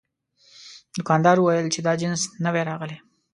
دوکاندار وویل چې دا جنس نوی راغلی.